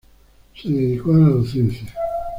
Se dedicó a la docencia.